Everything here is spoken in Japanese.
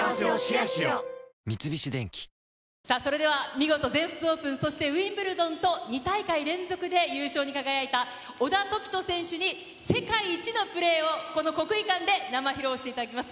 見事全仏オープン、そしてウィンブルドンと、２大会連続で優勝に輝いた、小田凱人選手に世界一のプレーを、この国技館で生披露していただきます。